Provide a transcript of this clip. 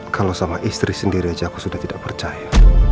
kalau sama istri sendiri aja aku sudah tidak percaya